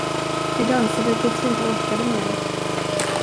Vi dansade tills vi inte orkade mera.